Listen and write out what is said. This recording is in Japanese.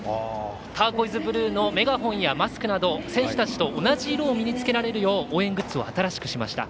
ターコイズブルーのメガホンやマスクなど選手たちと同じ色を身に着けられるよう応援グッズを新しくしました。